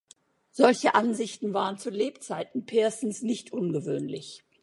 Solche Ansichten waren zu Lebzeiten Pearsons nicht ungewöhnlich.